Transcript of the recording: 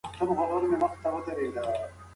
ایا باران به سږ کال د باغونو مېوې زیانمنې نه کړي؟